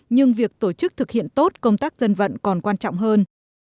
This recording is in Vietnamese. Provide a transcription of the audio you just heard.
nhưng việc tổ chức thực hiện tốt công tác dân vận còn quan trọng hơn